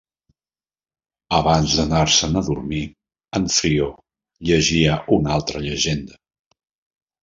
Abans d'anar-se'n a dormir, en Frio llegia una altra llegenda.